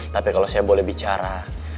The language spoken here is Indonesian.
tapi kalau saya boleh bicara